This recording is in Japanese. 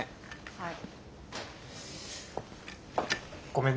はい。